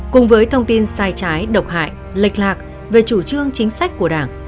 cùng với thông tin sai trái độc hại lệch lạc về chủ trương chính sách của đảng